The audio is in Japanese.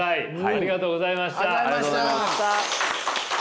ありがとうございます。